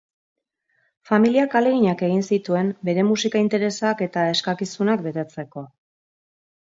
Familiak ahaleginak egin zituen bere musika interesak eta eskakizunak betetzeko.